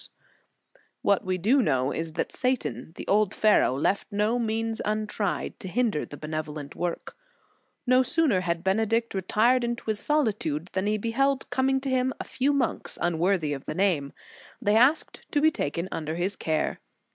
Sophron., in Prat. spir. 16* 1 86 The Sign of the Cross What we do know is that Satan, the old Pharaoh, left no means untried to hinder the benevolent work. No sooner had Benedict retired into his solitude than he beheld coming to him a few monks unworthy of the name; they asked to be taken under his care.